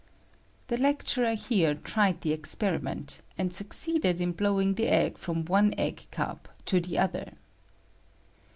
[The lecturer here tried the experiment, and succeeded in blowing the egg from one egg cup to the other.